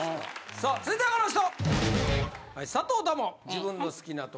さあ続いてはこの人！